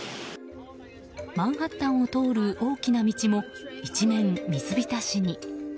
マンハッタンを通る大きな道も一面水浸しに。